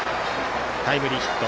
タイムリーヒット。